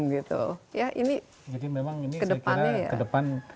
kedepannya ya jadi memang ini saya kira kedepan